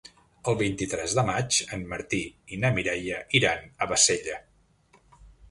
El vint-i-tres de maig en Martí i na Mireia iran a Bassella.